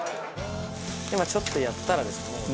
ちょっとやったらですね